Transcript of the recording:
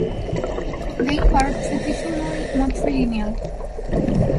They are traditionally matrilineal.